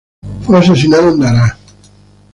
Fue asesinado en Daraa.